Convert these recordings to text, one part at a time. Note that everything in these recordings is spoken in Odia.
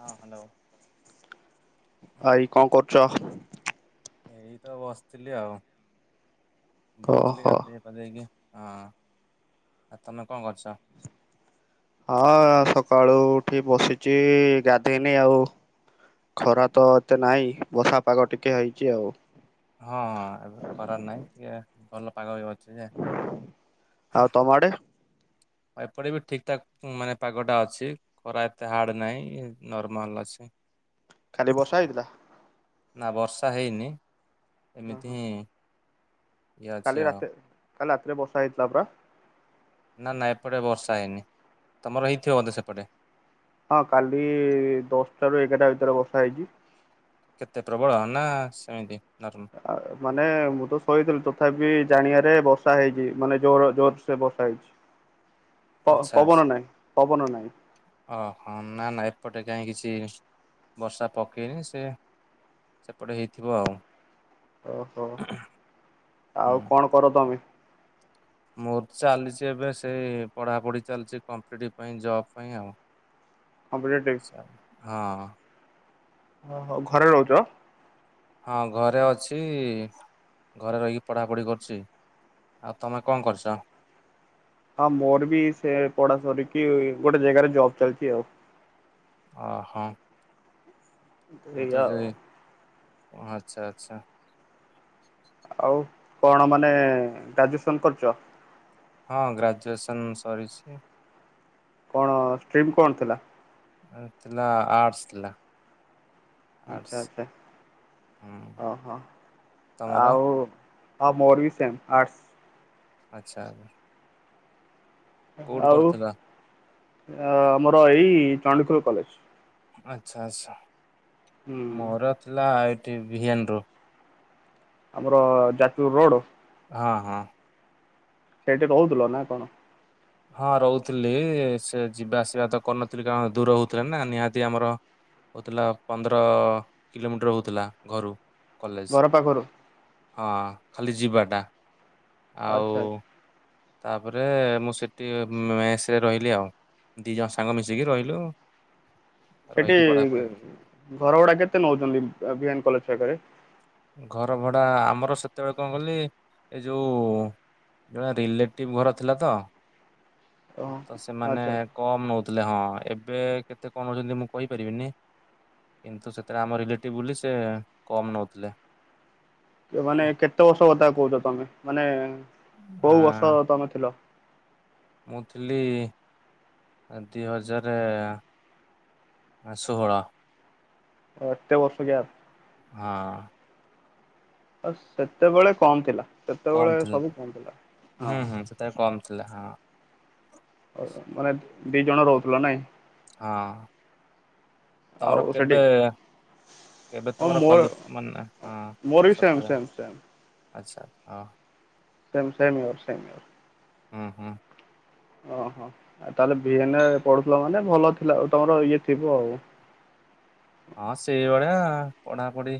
ହଁ ହ୍ୟାଲୋ। ଭାଇ କଣ କରୁଚ? ଏଇ ତ ବସିଥିଲି ଆଉ, ବସିଥିଲି କହ। ଗାଧେ ଧେଇକି ହଁ, ଆଉ ତମେ କଣ କରୁଚ? ହଁ ସକାଳୁ ଉଠି ବସିଚି, ଗାଧେଇନି ଆଉ। ଖରା ତ ଏତେ ନାହିଁ, ବର୍ଷା ପାଗ ଟିକେ ହେଇଚି ଆଉ। ହଁ- ହଁ ଏବେ ଖରା ନାଇଁ, ଟିକେ ଭଲ ପାଗ ବି ଅଛି ଯେ କୁଆଡ଼େ? ଏପଟେ ବି ଠିକ୍ ଠାକ୍ ମାନେ ପାଗଟା ଅଛି, ଖରା ଏତେ ହାର୍ଡ ନାହିଁ ନର୍ମାଲ ଅଛି। କାଲି ବର୍ଷା ହେଇଥିଲା? ନା ବର୍ଷା ହେଇନି, ଓହୋ ଏମିତି ଇଏ ଅଛି କାଲି ଆଉ ରାତିରେ, କାଲି ରାତିରେ ବର୍ଷା ହେଇଥିଲା ପା। ନା- ନା ଏପଟେ ବର୍ଷା ହେଇନି, ତମର ହେଇଥିବ ବୋଧେ ସେପଟେ? ହଁ କାଲି ଦଶଟାରୁ ଏଗାରଟା ଭିତରେ ବର୍ଷା ହେଇଚି। କେତେ ପ୍ରବଳ ନା ସେମିତି ନର୍ମ ମାନେ ମୁଁ ତ ଶୋଇଥିଲି, ତଥାପି ଜାଣିଆରେ ବର୍ଷା ହେଇଚି ମାନେ ଜୋର ଜୋରସେ ବର୍ଷା ହେଇଚି। ପ ପବନ ନାଇଁ ପବନ ନାଇଁ। ଓ ହୋ ନା ନା ଏପଟେ କାଇଁ କିଛି ବର୍ଷା ପକେଇନି। ସେ ସେପଟେ ହେଇଥିବ ଆଉ। ଓ ହୋ ଆଉ ହୁଁ। କଣ କର ତମେ? ମୋର ଚାଲିଚି ଏବେ ସେଇ ପଢାପଢି ଚାଲିଚି, କମ୍ପଟି ପାଇଁ ଜବ୍ ପାଇଁ ଆଉ। କମ୍ପିଟେଟିଭ? ହଁ। ଓ ହୋ ଘରେ ରହୁଚ? ହଁ ଘରେ ଅଛି, ଘରେ ରହିକି ପଢ଼ାପଢି କରୁଚି। ଆଉ ତମେ କଣ କରୁଚ? ହଁ ମୋର ବି ସେଇଆ ପଢା ସରିକି, ଗୋଟେ ଜେଗାରେ ଜବ୍ ଚାଲିଚି ଆଉ। ଓ ହୋ। ମୁଁ ତ ଏଇଆ ଆଉ ଯାଏ, ଆଚ୍ଛା ଆଛା। ଆଉ କଣ ମାନେ ଗ୍ରାଜୁଏସନ୍ କରୁଚ? ହଁ ଗ୍ରାଜୁଏସନ୍ ସରିଚି। କଣ ଷ୍ଟ୍ରିମ୍ କଣ ଥିଲା? [unintelligible] ଥିଲା ଆର୍ଟସ୍ ଥିଲା। ଆଚ୍ଛା ଆର୍ଟସ୍ ଆଚ୍ଛା ହୁଁ ଓ ହୋ ତମର? ଆଉ ହଁ ମୋର ବିି ସେମ୍ ଆର୍ଟସ୍। ଆଚ୍ଛା। କୋଉଠୁ ଆଉ କରୁଥିଲ? ଆମର ଏଇ ଚଣ୍ଡିଖୋଲ କଲେଜ୍। ଆଚ୍ଛା ଆଛା ହୁଁ ମୋର ଥିଲା I T, V N D ରୁ। ଆମର ଯାଜପୁର ରୋଡ଼? ହଁ- ହଁ। ସେଇଠି ରହୁଥିଲ ନା କଣ? ହଁ ରହୁଥିଲି। ସେ ଯିବା ଆସିବା ତ କରୁନଥିଲି, କାରଣ ଦୂର ହଉଥିଲା ନା ନିହାତି ଆମର ହଉଥିଲା, ପନ୍ଦର କିଲୋମିଟର ହେଉଥିଲା ଘରୁ। କଲେଜ ଘର ପାଖରୁ ହଁ ଖାଲି ଯିବାଟା। ଆଉ ଆଚ୍ଛା ଆଚ୍ଛା ତାପରେ ମୁଁ ସେଠି ମେସରେ ରହିଲି ଆଉ। ଦି ଜଣ ସାଙ୍ଗ ମିଶିକି ରହିଲୁ। ସେଠି ରହିକି ପଢାପଢି ଘର ଭଡା କେତେ ନେଉଛନ୍ତି, ଭି ଏନ କଲେଜ ପାଖେରେ? ଘର ଭଡ଼ା ଆମର ସେତେବେଳେ କଣ କଲି ଏ ଯୋଉ ଜଣେ ରିଲେଟିଭ ଘର ଥିଲା ତ ଓ ତ ସେମାନେ ଆଚ୍ଛା। କମ୍ ନୋଉଥିଲେ ହଁ ଏବେ କେତେ କଣ ନେଉଛନ୍ତି ମୁଁ କହିପାରିବିନି। କିନ୍ତୁ ସେଥିରେ ଆମ ରିଲେଟିଭ ବୋଲି ସେ କମ ନଉଥିଲେ। କେ ମାନେ କେତେ ବର୍ଷ କଥା କହୁଛ ତମେ ମାନେ ଆ କୋଉ ବର୍ଷ ତମେ ଥିଲ? ମୁଁ ଥିଲି ଆ ଦି ହଜାର ଆ ଷୋହଳ। ଅତେ ବର୍ଷ ଗ୍ୟାପ୍। ହଁ। ଆ ସେତେବେଳେ କମ ଥିଲା ସେତେବେଳେ ସବୁ କମ ଥିଲା ହଁ। ସେତେ କମ୍ ଥିଲା ହଁ। ମାନେ ଦି ଜଣ ରହୁଥିଲ ନାଇଁ? ହଁ ତମର ଆଉ ସେଠି କେବେ କେବେ ଓ ତମର ମୋର କଲି ମାନେନା ହଁ ମୋର ବି ସେମ ସତ ସେମ ସେମ ଆଛା ହଁ। Same same year same year. ହୁଁ ହୁଁ। ଓହୋ ଆଉ ତାହେଲେ ବିିଏନ ପଡ଼ୁଥିଲ ମାନେ ଭଲ ଥିଲା ଆଉ ତମର ଇଏ ଥିବ ଆଉ। ହଁ ସେଇଭଳିଆ ପଢ଼ାପଢ଼ି।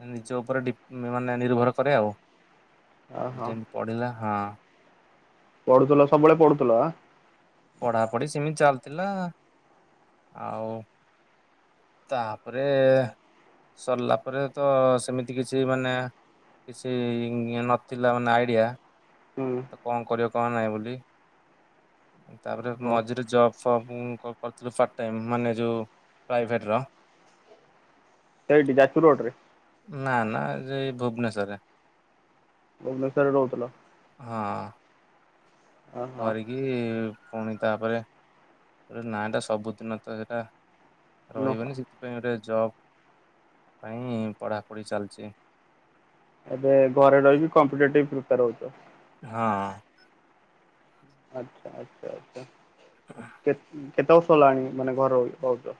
ମା ନିଜ ଉପରେ ଡିପ୍ ମାନେ ନିର୍ଭର କରେ ଆଉ ଯେ ଓହୋ ଯେମିତି ପଢ଼ିଲା ହଁ। ପଢ଼ୁଥିଲ ସବୁବେଳେ ପଢ଼ୁଥିଲ ଆଁ? ପଢ଼ାପଢ଼ି ସେମିତି ଚାଲିଥିଲା ଆଉ। ତାପରେ ସରିଲା ପରେ ତ ସେମିତି କିଛି ମାନେ କିଛି ଇଏ ନ ଥିଲା ମାନେ ଆଇଡ଼ିଆ ହୁଁ ତ କଣ କରିବ କଣ ନାଇଁ ବୋଲି। ତାପରେ ହଁ ମଝିରେ ଜବ ଫବ କରିଥିଲୁ ପାଟ୍ ଟାଇମ୍ ମାନେ ଯୋଉ ପ୍ରାଇଭେଟ୍ ର। ସେଇଠି ଯାଜପୁର ରୋଡ଼ରେ। ନା ନା ଯେଇ ଭୁବନେଶ୍ୱରେ। ଭୁବନେଶ୍ୱରରେ ରହୁଥିଲ? ହଁ କରିକି ପୁଣି ତାପରେ ନା ଏଟା ସବୁଦିନ ତ ଏରା ଓହୋ ରହିବନି ସେଥିପାଇଁ ଗୋଟେ ଜବ ପାଇଁ ପଢ଼ାପଢ଼ି ଚାଲିଛି। ଏବେ ଘରେ ରହିବି କମ୍ପିଟେଟିଭ୍ ପ୍ରିପେୟାର ହଉଚ। ହଁ। ଆଚ୍ଛା ଆଚ୍ଛା ଆଛା କେ କେତେ ବର୍ଷ ହେଲାଣି ମାନେ ଘର ରଇକି ପଉଚ?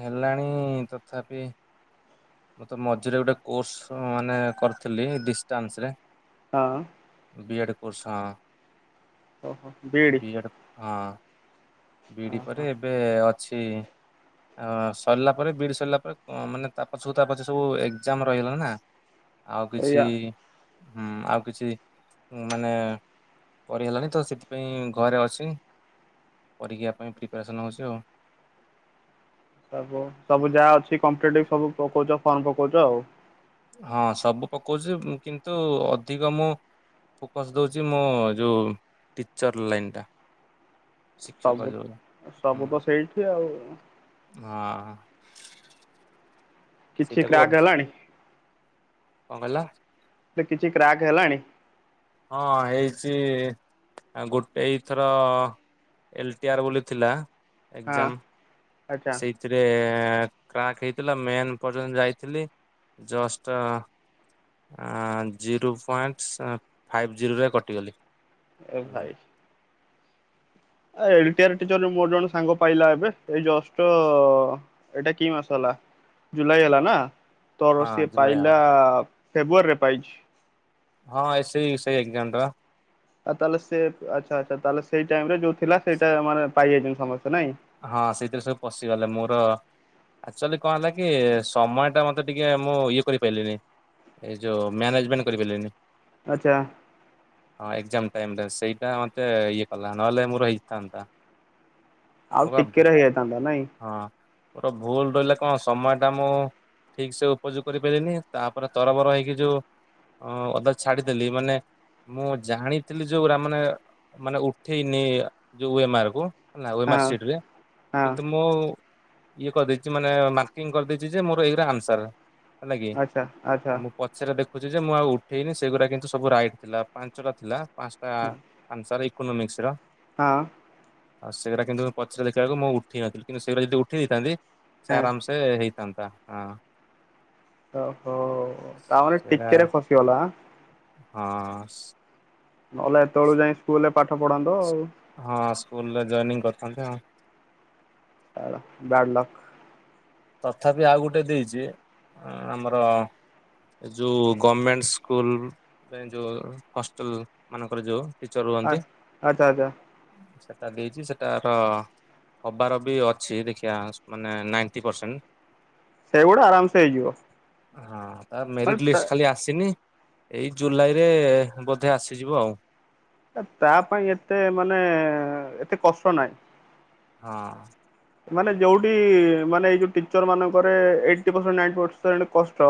ହେଲାଣି ତଥାପି ମୁଁତ ମଝିରେ ଗୋଟେ କୋର୍ସ ମାନେ କରିଥିଲି ଡିଷ୍ଟାନ୍ସ ରେ। ହଁ। ବିଏଡ଼୍ କୋର୍ସ ହଁ ଓହୋ ବିଇଡି ବିଏଡ଼ ହଁ। ବିଡ଼ି ଓହୋ ପରେ ଏବେ ଅଛି ଆ ସରିଲା ପରେ ବିଡ଼ି ସରିଲା ପରେ କ ମାନେ ତା ପଛକୁ ତା ପଛ ସବୁ ଏକ୍ଜାମ ରହିଗଲା ନା। ଆଉ କିଛି ଏଇଆ ହୁଁ ଆଉ କିଛି ଉଁ ମାନେ କରିହେଲାନି ତ ସେଥିପାଇଁ ଘରେ ଅଛି। ପରୀକ୍ଷା ପାଇଁ ପ୍ରିପାରେସନ୍ ହଉଛି ଆଉ। ସବୁ ସବୁ ଯାହା ଅଛି କମ୍ପଟେଟିଭ୍ ସବୁ ପକଉଛ ଫର୍ମ ପକଉଛ ଆଉ। ହଁ ସବୁ ପକଉଛି କିନ୍ତୁ ଅଧିକ ମୁଁ ଫୋକସ୍ ଦେଉଛି ମୋ ଯୋଉ ଟିଚର୍ ଲାଇନ୍ ଟା। ଶିକ୍ଷକ ସବୁ ଯୋଉ ଅ ହୁଁ ସବୁ ତ ସେଇଠି ଆଉ। ହଁ। କିଛି ସେଇଟାକୁ କ୍ରାକ୍ ଅଧି ହେଲାଣି? କଣ କଇଲ? କିଛି କ୍ରାକ୍ ହେଲାଣି? ହଁ ହେଇଛି ଗୋଟେ ଏଇଥର ଲଟିଆର ବୋଲି ଥିଲା ହଁ ଏଗଜ୍ମା ସେ ଆଚ୍ଛା ସେଥିରେ କ୍ରାକ୍ ହେଇଥିଲା ମେନ୍ ପର୍ଯ୍ୟନ୍ତ ଯାଇଥିଲି ଜଷ୍ଟ ଜିରୋ ପଏଣ୍ଟ ଫାଇଭ୍ ଜିରୋରେ କଟିଗଲି। ଏ ଭାଇ। ଲଟିଆର ଟିଚର ମୋର ଜଣେ ସାଙ୍ଗ ପାଇଲା ଏବେ ଏଇ ଜଷ୍ଟ ଏଇଟା କି ମସହେଲା। ଜୁଲାଇ ହେଲା ନା ତୋର ସିଏ ହଁ ଜୁଲାଇ ହବ। ପାଇଲା ଫେବୃଆରୀରେ ପାଇଛି। ହଁ ଏ ସେଇ ସେଇ ଏଗଜ୍ମା ଟା ବା। ଆଉ ତାହଲେ ସେ ଆଚ୍ଛା ଆଚ୍ଛା ତାହେଲେ ସେଇ ଟାଇମ ରେ ଯୋଉ ଥିଲା ସେଇଟା ମାନେ ପାଇଯାଇଛନ୍ତି ସମସ୍ତେ ନାଇଁ। ହଁ ସେଇଥିରେ ସବୁ ପଶିଗଲେ ମୋର ଆକ୍ଚୁଆଲି କଣ ହେଲା କି ସମୟ ଟା ମତେ ଟିକେ ମୁଁ ଇଏ କରିପାରଲିିନି। ଏଇ ଯୋଉ ମ୍ୟାନେଜମେଣ୍ଟ କରିପାରିଲେନି। ଅଚ୍ଛା। ହଁ ଏଗଜ୍ମା ଟାଇମ ରେ ସେଇଟା ମତେ ଇଏ କଲା ନହେଲେ ମୋର ହେଇଥାନ୍ତା। ମୋ ଆଉ ବା ଟିକେ ରେ ହେଇଯାଇଥାନ୍ତା ନାଇଁ। ହଁ ମୋର ଭୁଲ ରହିଲା କଣ ସମୟ ଟା ମୁଁ ଠିକ ସେ ଉପଯୋଗ କରିପାରିଲିନି ତାପରେ ତରବର ହେଇକି ଯୋଉ। ହଁ ଅଦା ଛାଡିଦେଲି ମାନେ ମୁଁ ଜାଣିଥିଲି ଯୋଉ ମାନେ ମାନେ ଉଠେଇନି ଯୋଉ ଏମାରକୁ। ନାଓ ୱଏ ମାର୍ ହଁ ସିଟେ ହଁ କିନ୍ତୁ ମୁଁ ଇଏ କରିଦେଇଛି ମାନେ ମାର୍କିଂ କରିଦେଇଛି ଯେ ମୋର ଏଇରା ଆନ୍ସର ହେଲା କି ଆଚ୍ଛା ଆଚ୍ଛା। ଆଉ ମୁଁ ପଛରେ ଦେଖୁଛି ଯେ ମୁଁ ଆଉ ଉଠେଇନି ସେଗୁଡା କିନ୍ତୁ ସବୁ ରାଇଟ୍ ଥିଲା ପାଞ୍ଚଟା ଥିଲା। ପାଞ୍ଚଟା ଆନ୍ସର ଇକୋନୋମିକ୍ସର। ହଁ। ଆଉ ସେଗଡ଼ା କିନ୍ତୁ ପଚା ଦେଖିବାକୁ ମୁଁ ଉଠେଇ ନଥିଲି କିନ୍ତୁ ସେଗଡ଼ା ଯଦି ଉଠେଇ ଦେଇଥାନ୍ତି ସେ ହଁ ଆରାମସେ ସେ ହେଇଥାନ୍ତା। ଓହୋ ତା ମାନେ ସେଇଟା ଟିକେରେ ଖସିଗଲା ଏଁ। ହଁ। ନହେଲେ ଏତେଳୁ ଯାଇ ସ୍କୁଲ ରେ ପାଠ ପଢାନ୍ତୁ ଆଉ। ହଁ ସ୍କୁଲରେ ଜନିଂ କରିଥାନ୍ତେ ଆଉ। Bad luck. ତଥାପି ଆଉ ଗୋଟେ ଦେଇଛି ଆମର। ଏ ଯଉ ଗଭର୍ଣମେଣ୍ଟ ସ୍କୁଲ ପାଇଁ ଯଉ ହଷ୍ଟେଲ ମାନଙ୍କରେ ଯୋଉ। ଟିଚର୍ ରୁହନ୍ତି। ଆଚ୍ଛା ଆଚ୍ଛା ସେଟା ଦେଇଛି ସେଟାର ହବାର ବି ଅଛି ଦେଖିବା ମାନେ ନାଇ ଏଟି ପର୍ସେଣ୍ଟ ସେଇଗୁଡା ଆରାମସେ ହେଇଯିବ ହଁ ତା ମାନେ ମେରିଟ୍ ତା ଲିଷ୍ଟ ଖାଲି ଆସି ଆସିନି ଏଇ ଜୁଲାଇରେ ବୋଧେ ଆସିଯିବ ଆଉ। ତା ପାଇଁ ଏତେ ମାନେ ଏତେ କଷ୍ଟ ନହିଁ। ହଁ। ମାନେ ଯୋଉଠି ମାନେ ଏଇ ଯୋଉ ଟିଚର ମାନଙ୍କରେ ଏଇଟି ପରସେଣ୍ଟ ନାଇଟି ପରସେଣ୍ଟ କଷ୍ଟ।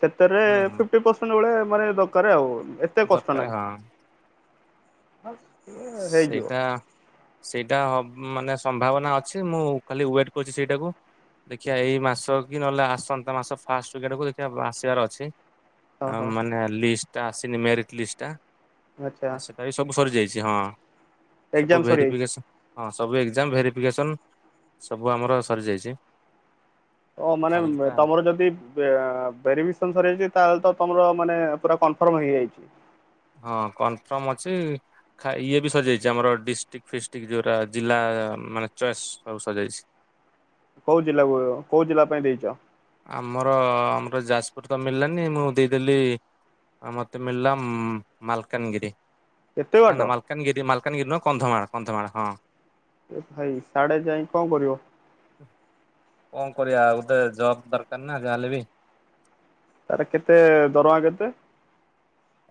ସେଥେରେ ହୁଁ ହୁଁ ଫିପିଟି ପରସେଣ୍ଟ ଭଲଆ ମାନେ ଦରକାର ଆଉ। କଷ୍ଟ ଦରକାରେ ନାହିଁ। ହଁ। ହେଇଯିବ। ସେଇଟା ସେଇଟା ମାନେ ସମ୍ଭାବନା ଅଛି ମୁଁ ଖାଲି ୱେଟ କରୁଛି ସେଇଟାକୁ। ଦେଖିବା ଏଇ ମାସ କି ନହେଲେ ଆସନ୍ତା ମାସ ଫାଷ୍ଟ ଉଇକି ଆଡକୁ ଦେଖିବା ଆସିବାର ଅଛି। ଆ ଓହୋ ମାନେ ଲିଷ୍ଟ ଟା ଆସିନି ମେରିଟ୍ ଲିଷ୍ଟ ଟା। ଆଚ୍ଛା। ତାରି ସବୁ ସରିଯାଇଛି ହଁ ସବୁ ଏକ୍ଜାମ ସରିଯାଇଛି। ଭେରିଫିକେସନ୍। ହଁ ସବୁ ଏଗଜ୍ମା ଭେରିଫିକେସନ୍ ସବୁ ଆମର ସରି ଯାଇଛି। ଓ ମାନେ ତମର ଯଦି। ଭେରିଫିକସନ୍ ସରିଯାଇଛି ତାହେଲେ ତ ତମର ମାନେ ପୁରା କନଫ୍ରମ୍ ହେଇଯାଇଛି। ହଁ କନ୍ଫର୍ମ ଅଛି। ଖା ଇଏ ବି ସରିଯାଇଛି ଆମର ଡିଷ୍ଟ୍ରିକ୍ଟ ଫିଷ୍ଟ୍ରିକ୍ ଯୋଉଁଗୁରା ଜିଲ୍ଲା ମାନେ ଚଏସ୍ ସବୁ ସରିଯାଇଛି। କୋଉ ଜିଲ୍ଲା କୁ କୋଉ ଜିଲ୍ଲା ପାଇଁ ଦେଇଛ। ଆମର ଆମର ଯାଜପୁର ତ ମିଳିଲାନି ମୁଁ ଦେଇଦେଲି। ଆ ମତେ ମିଳିଲ ମାଲକାନଗିରି। ଏତେ ନା ବାଟ ନା ମାଲକାନାଗିରି ମାଲକାନାଗିରି ନୁହଁ କନ୍ଧମାଳ କନ୍ଧମାଳ ହଁ। ଏ ଭାଇ ସାଢ଼େ ଯାଇ କଣ କରିବ? କଣ କରିବା ଆଉତ ଜବ୍ ଦରକାର ନା ଯାହାହେଲେ ବି। ତାର କେତେ ଦରମା କେତେ?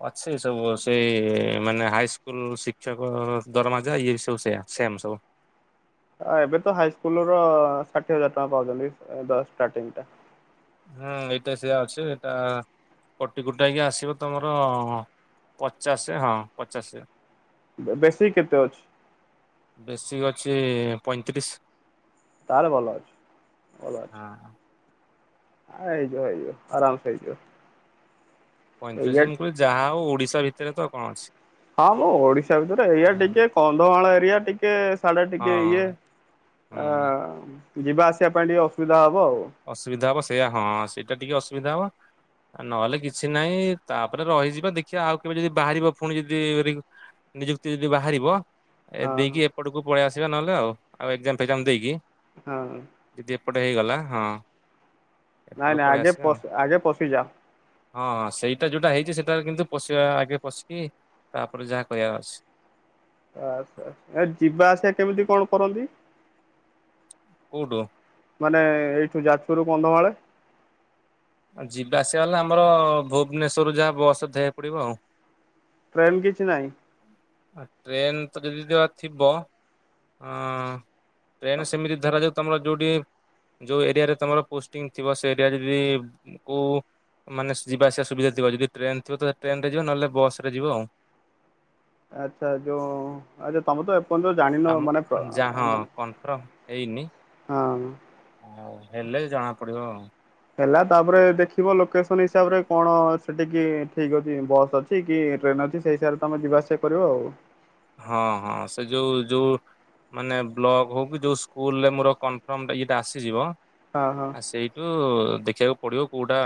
ଅଛି ସବୁ ସେ ମାନେ ହାଇ ସ୍କୁଲ ଶିକ୍ଷକ ଦରମା ଯା ଇଏ ସବୁ ସେ ସେମ୍ ସବୁ। ଏବେ ତ ହାଇସ୍କୁଲ ର ଷାଠିଏ ହଜାର ଟଙ୍କା ପାଉଛନ୍ତି ଦ ଷ୍ଟାର୍ଟିଂ ଟା। ହୁଁ ଏଇଟା ସେଇଆ ଅଛି ଏଇଟା। କଟି କୁଟା କି ଆସିବ ତମର ପଚାଶ ହଁ ପଚାଶ। ବେଶୀକ୍ କେତେ ଅଛି? ବେଶୀକ୍ ଅଛି ପଇଁତିରିଶ। ତାହେଲେ ଭଲ ଅଛି ଭଲ ଅଛି। ହଁ। ହେଇଯିବ ହେଇଯିବ ଆରାମ ସେ ହେଇଯିବ। ଏଇଆ ପଇଁତିରିଶି ମୁଁ କହିଲି ଯାହା ହଉ ଓଡିଶା ଭିତରେ ତ କଣ ଅଛି? ହଁ ମୋ ଓଡିଶା ଭିତରେ ଏଇଆ ହଁ। ଟିକେ କନ୍ଧମାଳ ଏରିଆ ଟିକେ ଟିକେ ସାଢେ଼ ଟିକେ ଇଏ ହଁ ହୁଁ ଅ ଯିବା ଆସିବା ପାଇଁ ଟିକେ ଅସୁବିଧା ହବ ଆଉ। ଅସୁବିଧା ହବ ସେଇୟା ହଁ ସେଇଟା ଟିକେ ଅସୁବିଧା ହବ। ନହେଲେ କିଛି ନାହିଁ ତାପରେ ରହିଯିବା ଦେଖିବା ଆଉ କେବେ ଯଦି ବାହାରିବ ପୁଣି ଯଦି। ନିଯୁକ୍ତି ଯଦି ବାହାରିବ ହଁ ଦେଇକି ଏପଟକୁ ପଳେଇ ଆସିବା ନହେଲେ ଆଉ ଆଉ ଏକ୍ଜାମ ଫେକ୍ଜାମ ଦେଇକି। ହଁ। ଜଦି ଏପଟେ ହେଇଗଲା ହଁ। ନାଇଁ ଏପଟକୁ ନାଇଁ ପଳେଇ ଆଗେ ଆସିବା ପ ଆଉ। ଆଗେ ପଶିଯାଅ। ହଁ ହଁ ସେଇଟା ଯୋଉଟା ହେଇଛି ସେଇଟାରେ କିନ୍ତୁ ପଶିବା ଆଗ ପଶିକି। ତାପରେ ଯାହା କହିବା ଅଛି। ଆଛା ଆଛା ଏ ଯିବା ଆସିବା କେମିତି କଣ କରନ୍ତି? କୋଉଠୁ? ମାନେ ଏଇଠୁ ଯାଜପୁରରୁୁ କନ୍ଧମାଳ। ଆଉ ଯିବା ଆସିବା ଗଲେ ଆମର ଭୁବନେଶ୍ୱରରୁ ଯାହା ବସ୍ ଧରିବାକୁ ପଡ଼ିବ ଆଉ। ଟ୍ରେନ୍ କିଛି ନାହିଁ। ଆ ଟ୍ରେନ ତ ଯଦି ଯ ଥିବ ଅ ଟ୍ରେନ ସେମିତି ଧରାଯାଉ। ତମର ଯୋଉଠି ଯୋଉ ଏରିଆରେ ତମର ପୋଷ୍ଟିଙ୍ଗ ଥିବ ସେ ଏରିଆରେ ଯି କୋଉ ମାନେ ଯିବା ଆସିବା ସୁବିଧା ଥିବ ଯଦି ଟ୍ରେନ୍ ଥିବ ତ ଟ୍ରେନ୍ ରେ ଯିବ ନହେଲେ ବସରେ ଯିବ ଆଉ। ଆଚ୍ଛା ଯୋଉ। ଆଚ୍ଛା ତମେ ତ ଏପର୍ଯ୍ୟନ୍ତ ଜାଣିନ ଆମ ମାନେ ଯା ହଁ ମାନେ କନଫର୍ମ ହେଇନି ହଁ। ଆଉ ହେଲେ ବି ଜଣା ପଡିବ ଆଉ। ହେଲା ତାପରେ ଦେଖିବ ଲୋକେସନ୍ ହିସାବରେ କଣ ଅଛି। ସେଠିକି ଠିକ୍ ଅଛି ବସ୍ ଅଛି କି ଟ୍ରେନ୍ ଅଛି ସେହି ହିସାବରେ ତୁମେ ଯିବା ଆସିବା କରିବ ଆଉ। ହଁ ହଁ ସେ ଯୋଉ ଯୋଉ। ମାନେ ବ୍ଲକ ହଉ କି ଯୋଉ ସ୍କୁଲରେ ମୋର କନ୍ଫର୍ମ ଇଏଟା ଆସିଯିବ। ହଁ ହଁ। ଆ ସେଇଠୁ ଦେଖିବାକୁ ପଡ଼ିବ କୋଉଟା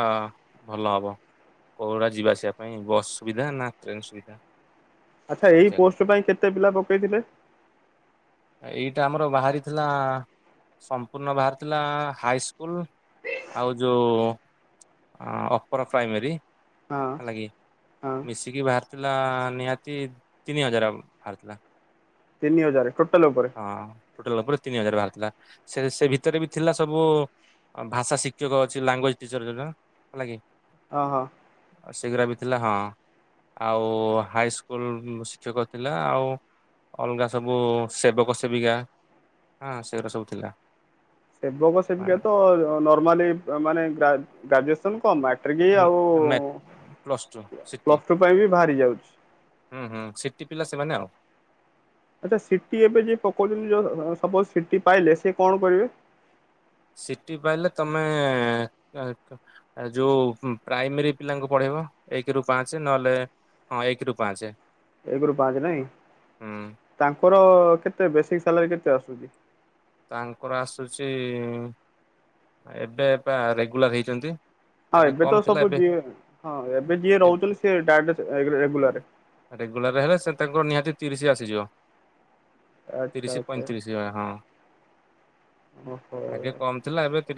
ଭଲ ହବ। କୋଉଡ଼ା ଯିବା ଆସିବା ପାଇଁ ବସ୍ ସୁବିଧା ନା ଟ୍ରେନ ସୁବିଧା। ଆଚ୍ଛା ଏଇ ଦେଖିବାକୁ ପୋଷ୍ଟ ପାଇଁ କେତେ ପିଲା ପକେଇଥିଲେ। ଏଇଟା ଆମର ବାହାରିଥିଲା ସମ୍ପୂର୍ଣ୍ଣ ବାହାରିଥିଲା ହାଇ ସ୍କୁଲ। ଆଉ ଯୋଉ ଅପର ପ୍ରାଇମେରୀ। ହଁ ହେଲାକିି ହଁ ମିଶିକି ବାହାରିଥିଲା ନିହାତି ତିନି ହଜାର। ବାହାରଥିଲା। ତିନି ହଜାର ଟୋଟାଲ ଉପରେ। ହଁ ଟୋଟାଲ ଉପରେ ତିନି ହଜାର ବାହାରିଥିଲା ସେ ସେ ଭିତରେ ବି ଥିଲା ସବୁ। ଭାଷା ଶିକ୍ଷକ ଅଛି ଲାଙ୍ଗୁଏଜ ଟିଚର ଜୋଉଟା ହେଲା କି। ଅ ହ। ଆଉ ସେଇ ଗୁରା ବି ଥିଲା ହଁ ଆଉ ହାଇସ୍କୁଲ ଶିକ୍ଷକ। ଥିଲା ଆଉ ଅଲଗା ସବୁ ସେବକ ସେବିକା। ହଁ ସେଗୁରା ସବୁ ଥିଲା। ସେବକ ସେବିକା ତ ନର୍ମାଲି ମାନେ ଗ୍ରା ଗ୍ରାଜୁଏସନ୍ କମ୍ ମା ଟ୍ରିକ ଆଉ plus two city plus two ପାଇଁ ବି ବାହାରି ଯାଉଛି। ହୁଁ ହୁଁ ସିଟି ପିଲା ସେମାନେ ଆଉ। ଆଚ୍ଛା ସିଟି ଏବେ ଯିଏ ପକଉଛନ୍ତି ଯୋଉ ର ସପୋଜ ସିଟି ପାଇଲେ ସେ କଣ କରିବେ। ସିଟିି ପାଇଲେ ତମେ ଆ ଯୋଉ ପ୍ରାଇମେରୀ ପିଲାଙ୍କୁ ପଢେଇବ ଏକ ରୁ ପାଞ୍ଚ ନହେଲେ। ହଁ ଏକ ରୁ ପାଞ୍ଚ। ଏକ ରୁ ପାଞ୍ଚ ନାଇଁ ହୁଁ ତାଙ୍କର କେତେ ବେଶିକ୍ ସାଲାରୀ କେତେ ଆସୁଛି। ତାଙ୍କର ଆସୁଛି ଏବେ ପା ରେଗୁଲାର ହେଇଛନ୍ତି। ହଁ ଆଗେ ଏବେ ତ କମ ଥିଲା ସବୁ ଏବେ ଯିଏ ହଁ ଏବେ ଯିଏ ଏବେ ରହୁଛନ୍ତି ସେ ଡାଇରେକ୍ଟ ଏ ରେଗୁଲାର। ରେଗୁଲାର ହେଲେ ସିଏ ତାଙ୍କର ନିହାତି ତିରିଶ ଆସିଯିବ ଆଚ୍ଛା ତିରିଶି ଆଚ୍ଛା ପଇଁତିରିଶି। ଇଏ ହଁ ଓହୋ। ଆଗେ କମ୍ ଥିଲା ଏବେ ତିରିଶ।